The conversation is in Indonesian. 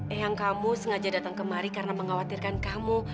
eyang kamu sengaja datang kemari karena mengkhawatirkan kamu